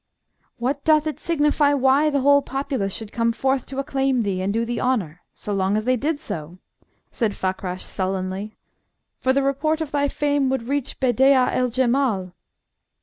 "What doth it signify why the whole populace should come forth to acclaim thee and do thee honour, so long as they did so?" said Fakrash, sullenly. "For the report of thy fame would reach Bedeea el Jemal."